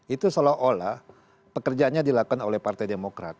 itu seolah olah pekerjaannya dilakukan oleh partai demokrat